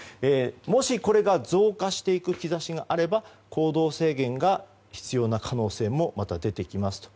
もしこれが増加していく兆しがあれば行動制限が必要な可能性もまた出てきますと。